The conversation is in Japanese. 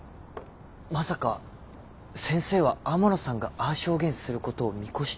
まさか先生は天野さんがああ証言することを見越して？